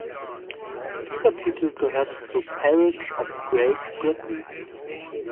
Dieser Titel gehört zur Peerage of Great Britain.